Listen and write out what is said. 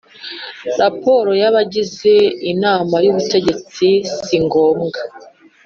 Raporo y’abagize Inama y’Ubutegetsi si ngombwa